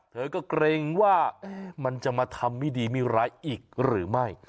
เธอก็เกรงว่ามันจะมาทำไม่ดีไม่ร้ายอีกหรือไม่